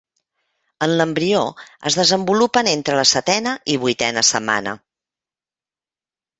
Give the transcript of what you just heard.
En l'embrió es desenvolupen entre la setena i vuitena setmana.